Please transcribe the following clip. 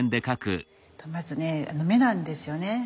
まずね目なんですよね。